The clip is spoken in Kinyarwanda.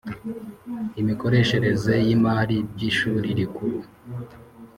imikoreshereze y imari by Ishuri Rikuru